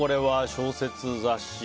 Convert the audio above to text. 小説、雑誌。